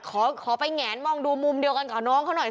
ขอไปแงนมองดูมุมเดียวกันกับน้องเขาหน่อย